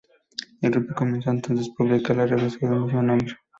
El grupo comenzó entonces a publicar la revista del mismo nombre.